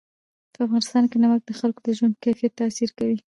په افغانستان کې نمک د خلکو د ژوند په کیفیت تاثیر کوي.